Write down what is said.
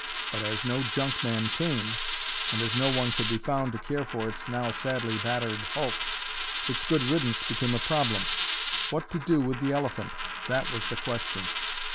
But as no junk man came, and as no one could be found to care for its now sadly battered hulk, its good riddance became a problem. What to do with the elephant! that was the question.